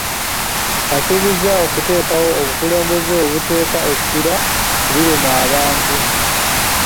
Asuubiza okuteekawo obukulembeze obuteeka essira ku biruma abantu.